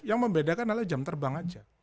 yang membedakan adalah jam terbang saja